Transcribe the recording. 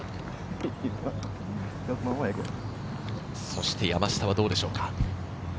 そして山下はどうでしょうか。